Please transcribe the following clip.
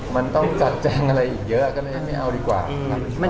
มันต้องจัดแจ้งอะไรอีกเยอะก็เลยไม่เอาดีกว่า